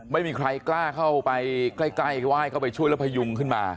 ไม่มีใครกล้าเข้าไปใกล้ไหว้เข้าไปช่วยแล้วพยุงขึ้นมา